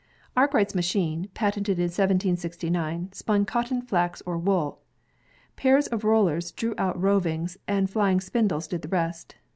Arkwright's machine, patented in 1769, spun cotton, flax, or wool. Pairs of rollers drew out the roving, and flying spindles did the rest.